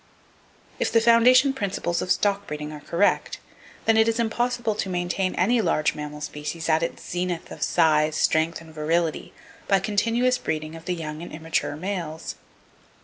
If the foundation principles of stock breeding are correct, then it is impossible to maintain any large mammal species at its zenith of size, strength and virility by continuous breeding of the young and immature males.